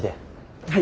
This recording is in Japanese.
はい。